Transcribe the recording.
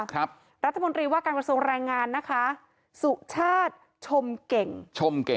รัฐมนตรีว่าการกระทรวงแรงงานนะคะสุชาติชมเก่งชมเก่ง